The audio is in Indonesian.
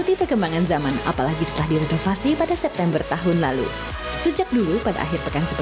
taman wisata ikonek